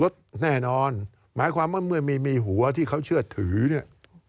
แน่นอนหมายความว่าเมื่อมีมีหัวที่เขาเชื่อถือเนี่ย